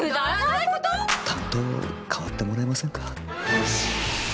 担当を替わってもらえませんか？